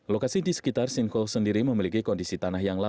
lokasi di sekitar sinkhole sendiri memiliki kondisi tanah yang lain